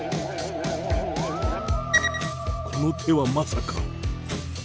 この手はまさか。